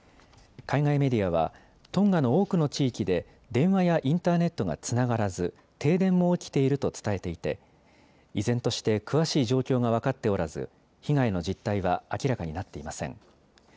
海外メディアは、トンガの多くの地域で電話やインターネットがつながらず、停電も起きていると伝えていて、依然として、詳しい状況が分かっておらず、被害の実態は明らかになっていません。